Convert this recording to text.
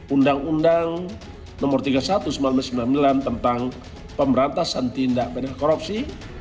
undang undang nomor tiga puluh satu seribu sembilan ratus sembilan puluh sembilan tentang pemberantasan tindak benar korupsi